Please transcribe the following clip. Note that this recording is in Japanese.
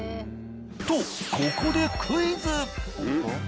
とここでクイズ。